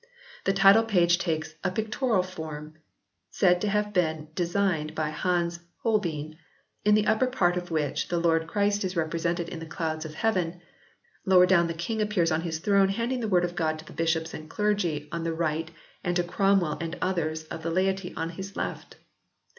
The title page takes a pictorial form said to have been designed by Hans Holbein, in the upper part of which the Lord Christ is represented in the clouds of heaven ; lower down the King appears on his throne handing the Word of God to the bishops and clergy on the right and to Cromwell and others of the laity on his left.